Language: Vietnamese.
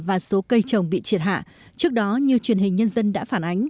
và số cây trồng bị triệt hạ trước đó như truyền hình nhân dân đã phản ánh